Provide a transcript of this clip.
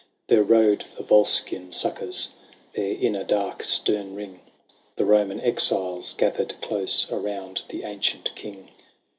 There rode the Volscian succours : There, in a dark stem ring, The Roman exiles gathered close Around the ancient king.